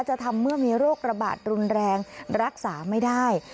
จะทำเมื่อมีโรคระบาดรุนแรงรักษาไม่ได้